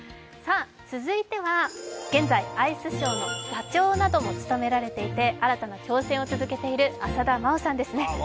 続いては現在、アイスショーの座長なども務めていて新たな挑戦を続けている浅田真央さんですね。